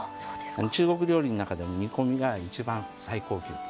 中国料理の中でも煮込みが一番最高級。